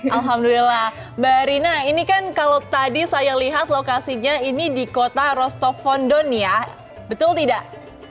alhamdulillah mbak rina ini kan kalau tadi saya lihat lokasinya ini di kota rostovon don ya betul tidak